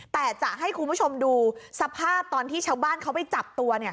แต่จะให้คุณผู้ชมดูสภาพตอนที่ชาวบ้านเขาไปจับตัวเนี่ย